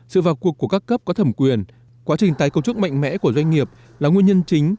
sự vào cuộc của các cấp có thẩm quyền quá trình tái cấu trúc mạnh mẽ của doanh nghiệp là nguyên nhân chính